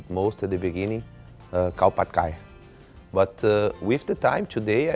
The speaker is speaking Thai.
ผมติดตามแค่มีที่สามารถในไทยที่ทุกชายก็หาได้